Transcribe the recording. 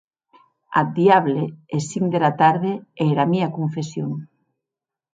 Ath diable es cinc dera tarde e era mia confession!